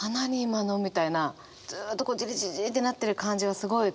今のみたいなずっとこうジリジリジリってなってる感じがすごい